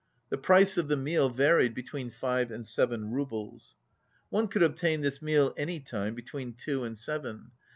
The price of the meal varied between five and seven roubles. One could obtain this meal any time between two and seven.